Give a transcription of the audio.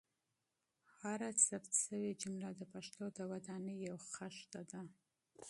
هره ثبت شوې جمله د پښتو د ودانۍ یوه خښته ده.